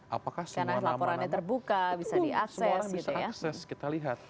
apakah semua nama nama semua orang bisa akses kita lihat